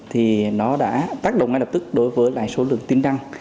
thì nó đã tác động ngay lập tức đối với lại số lượng tin đăng